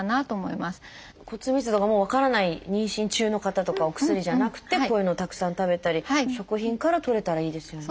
骨密度がもう分からない妊娠中の方とかお薬じゃなくてこういうのをたくさん食べたり食品からとれたらいいですよね。